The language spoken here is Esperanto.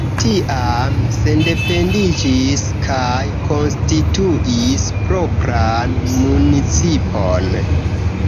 Tiam sendependiĝis kaj konstituis propran municipon.